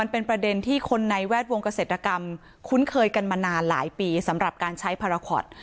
เป็นประเด็นที่คนในแวดวงเกษตรกรรมคุ้นเคยกันมานานหลายปีสำหรับการใช้พาราคอต